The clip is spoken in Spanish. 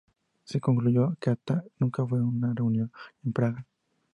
Se concluyó que Atta nunca fue a una reunión en Praga.